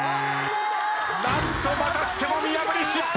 何とまたしても見破り失敗！